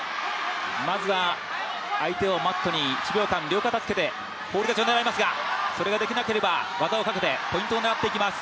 まずは相手をマットに１秒間、ホール勝ちを狙いますが、それができなければ技をかけて勝利を狙います。